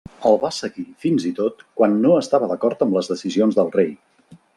El va seguir fins i tot quan no estava d'acord amb les decisions del rei.